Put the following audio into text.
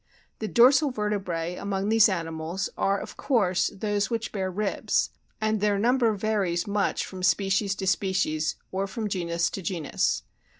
The dorsal vertebrae among these animals are of course those which bear ribs, and their number varies much from species to species, or from genus to genus.